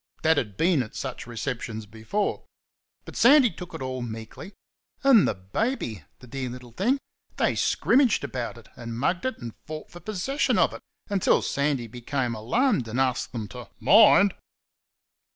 Dad had been at such receptions before. But Sandy took it all meekly. And the baby! (the dear little thing) they scrimmaged about it, and mugged it, and fought for possession of it until Sandy became alarmed and asked them to "Mind!"